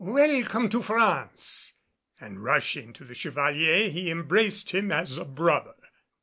"Welcome to France!" And rushing to the Chevalier he embraced him as a brother.